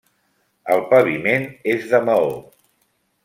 El paviment és de maó.